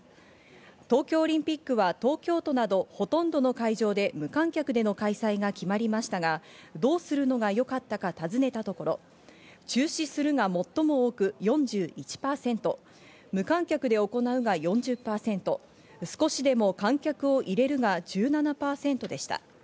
東京オリンピックは東京都などほとんどの会場で無観客での開催が決まりましたが、どうするのがよかったか尋ねたところ、中止するが最も多く４１％、無観客で行うが４０％、少しでも観客を入れるが１７％でした。